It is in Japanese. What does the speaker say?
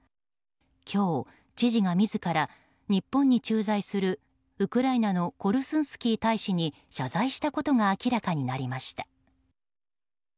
今日、知事が自ら日本に駐在するウクライナのコルスンスキー大使に謝罪したことが明らかになりました。